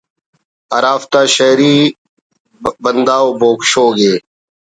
ہرا فتا شئیری بنداو بوگ شوگ ءِ